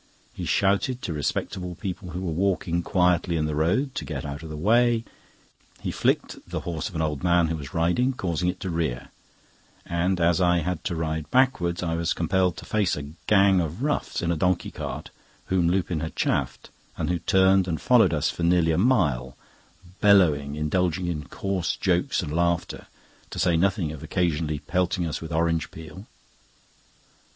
He shouted to respectable people who were walking quietly in the road to get out of the way; he flicked at the horse of an old man who was riding, causing it to rear; and, as I had to ride backwards, I was compelled to face a gang of roughs in a donkey cart, whom Lupin had chaffed, and who turned and followed us for nearly a mile, bellowing, indulging in coarse jokes and laughter, to say nothing of occasionally pelting us with orange peel.